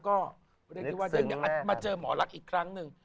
ได้ทิวว่ามาเจอหมอลักอีกครั้งนึง